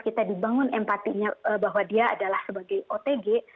kita dibangun empatinya bahwa dia adalah sebagai otg